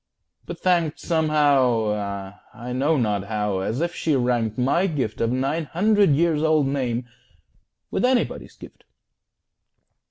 but thanked Somehow I know not how as if she ranked My gift of a nine hundred years old name With anybody's gift.